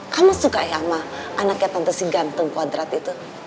kamu suka ya sama anaknya tante si gantung koadrat itu